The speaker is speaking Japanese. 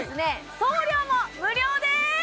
送料も無料です！